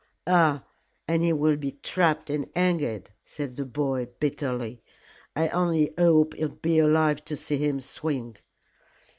"Ah! and he will be trapped and hanged," said the boy, bitterly. "I only hope I'll be alive to see him swing."